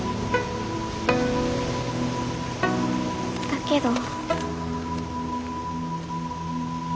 だけど。